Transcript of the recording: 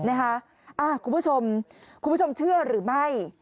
คุณผู้ชมคุณผู้ชมเชื่อหรือไม่